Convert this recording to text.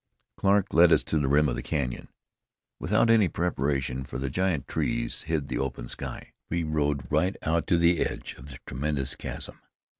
Clarke led us to the rim of the canyon. Without any preparation for the giant trees hid the open sky we rode right out to the edge of the tremendous chasm.